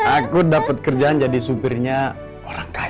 aku dapat kerjaan jadi supirnya orang kaya